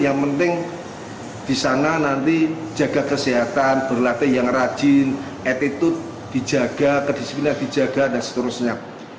yang penting di sana nanti jaga kesehatan berlatih yang rajin attitude dijaga kedisiplinan dijaga dan seterusnya